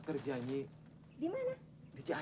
dari mana pak